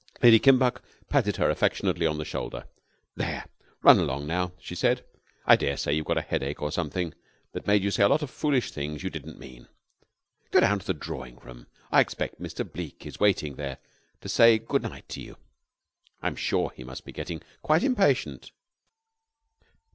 Lady Kimbuck patted her affectionately on the shoulder. "There, run along now," she said. "I daresay you've got a headache or something that made you say a lot of foolish things you didn't mean. Go down to the drawing room. I expect Mr. Bleke is waiting there to say goodnight to you. I am sure he must be getting quite impatient."